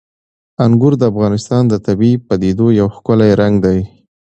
انګور د افغانستان د طبیعي پدیدو یو ښکلی رنګ دی.